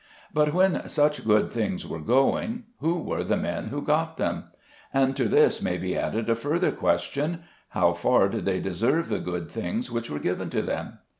But when such good things were going who were the men who got them? And to this may be added a further question, How far did they deserve the good things which were given to them?